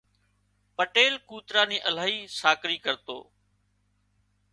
پٽيل ڪوترا ني الاهي ساڪري ڪرتو